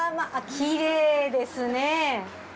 きれいですね。